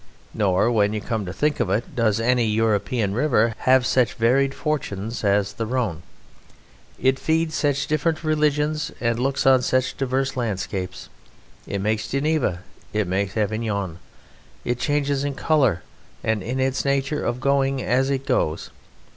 Nor, when you come to think of it, does any European river have such varied fortunes as the Rhone. It feeds such different religions and looks on such diverse landscapes. It makes Geneva and it makes Avignon; it changes in colour and in the nature of its going as it goes.